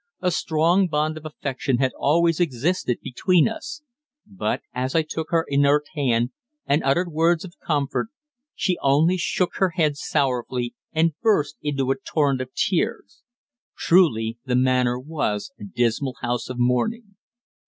A strong bond of affection had always existed between us; but, as I took her inert hand and uttered words of comfort, she only shook her head sorrowfully and burst into a torrent of tears. Truly the Manor was a dismal house of mourning.